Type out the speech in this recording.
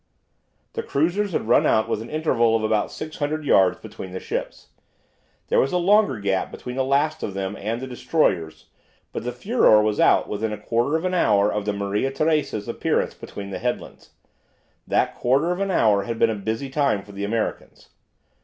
The cruisers had run out with an interval of about 600 yards between the ships. There was a longer gap between the last of them and the destroyers, but the "Furor" was out within a quarter of an hour of the "Maria Teresa's" appearance between the headlands. That quarter of an hour had been a busy time for the Americans.